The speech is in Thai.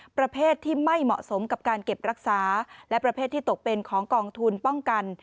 ประเภทที่ไม่เหมาะสมกับการเก็บรักษาและประเภทที่ตกเป็นของกองทุนป้องกัน